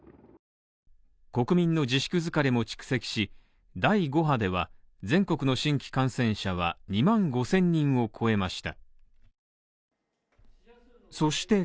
国民の自粛疲れも蓄積し、第５波では、全国の新規感染者は２万５０００人を超えました。